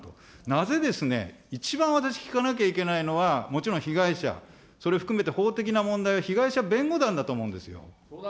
なぜですね、一番私、聞かなきゃいかないのは、もちろん被害者、それ含めて、法的な問題は被害者弁護団だと思うんですよ。